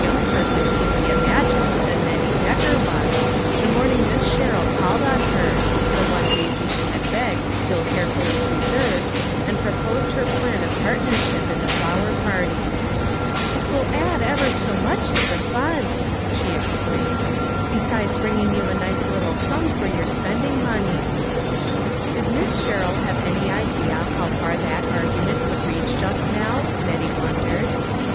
289 young person can be imagined than Nettie Decker was, the morning Miss Sherrill called on her, the one daisy she had begged still carefully preserved, and proposed her plan of partnership in the flower party. " It will add ever so much to the fun," she explained, "besides bringing you a nice little sum for your spending money." Did Miss Sherrill have any idea how far that argument would reach just now, Nettie won dered.